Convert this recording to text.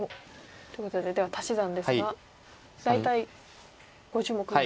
ということででは足し算ですが大体５０目ぐらい。